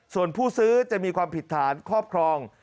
ส่วนผู้ซื้อจะมีความผิดฐานครอบครอง